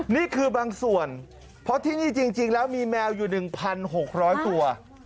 นี่คือบางส่วนเพราะที่นี่จริงแล้วมีแมวอยู่๑๖๐๐ตัว